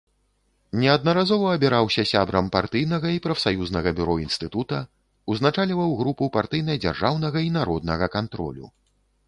Неаднаразова абіраўся сябрам партыйнага і прафсаюзнага бюро інстытута, узначальваў групу партыйна-дзяржаўнага і народнага кантролю.